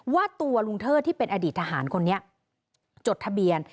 ว่าตัวลุงเทิดที่เป็นอดีตทหารคนนี้จดทะเบียน